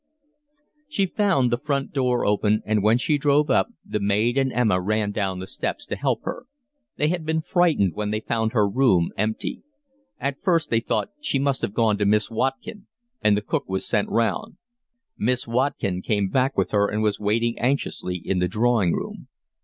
She found the front door open, and when she drove up the maid and Emma ran down the steps to help her. They had been frightened when they found her room empty. At first they thought she must have gone to Miss Watkin, and the cook was sent round. Miss Watkin came back with her and was waiting anxiously in the drawing room.